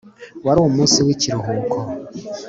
wari umunsi w'ikiruhuko,